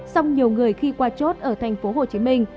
song nhiều người khi qua chốt ở tp hcm